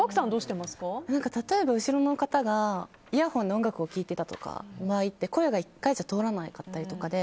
例えば後ろの方がイヤホンで音楽を聴いてたりして声が１回じゃ通らなかったりとかで。